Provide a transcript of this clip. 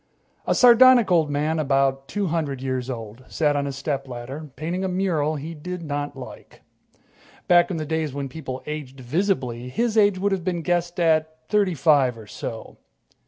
A sardonic old man, about two hundred years old, sat on a stepladder, painting a mural he did not like. Back in the days when people aged visibly, his age would have been guessed at thirty five or so.